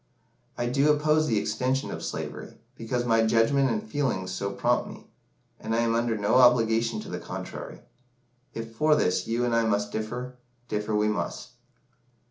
I do oppose the extension of slavery, because my judgment and feelings so prompt me; and I am under no obligations to the contrary. If for this you and I must differ, differ we must."